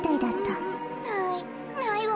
ないないわ。